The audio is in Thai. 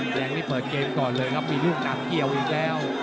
แดงนี่เปิดเกมก่อนเลยครับมีลูกหนักเกี่ยวอีกแล้ว